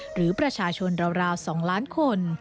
หรือประชาชนราว๒ล้านคน